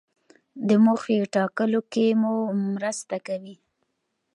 د موخې ټاکلو کې مو مرسته کوي.